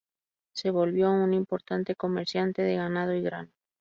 Se volvió un importante comerciante de ganado y grano.